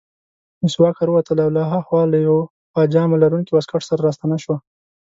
مس واکر ووتله او له هاخوا له یوه پاجامه لرونکي واسکټ سره راستنه شوه.